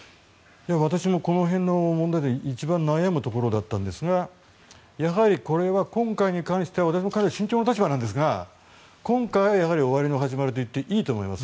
私もこの辺の問題で一番悩むところだったんですがやはりこれは今回に関しては私もかなり慎重な立場なんですが今回は終わりの始まりといっていいと思います。